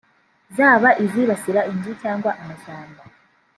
zaba izibasira inzu cyangwa amashyamba